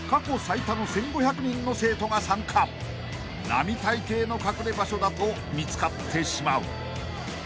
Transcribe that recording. ［並大抵の隠れ場所だと見つかってしまう］